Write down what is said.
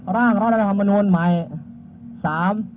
๒ร่างรลักษณะทะธรรมนุนใหม่